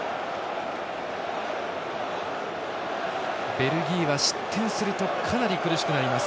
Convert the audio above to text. ベルギーは失点するとかなり苦しくなります。